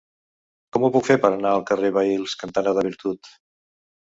Com ho puc fer per anar al carrer Vehils cantonada Virtut?